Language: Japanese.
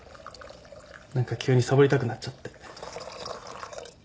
何か急にサボりたくなっちゃって。